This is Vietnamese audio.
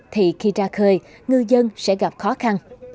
thì khi ra khơi ngư dân sẽ gặp khó khăn